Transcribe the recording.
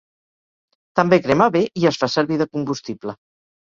També crema bé i es fa servir de combustible.